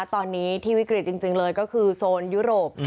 ตอนนี้ที่วิกฤตจริงเลยก็คือโซนยุโรป